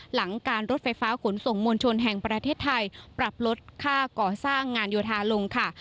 หลังการรถไฟฟ้าขนส่งมวลชนแห่งประเทศไทยปรับลดค่าก่อสร้างงานโยธาลงค่ะ